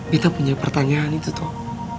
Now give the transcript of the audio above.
kita punya pertanyaan itu toh